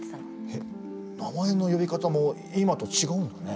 えっ名前の呼び方も今と違うんだね。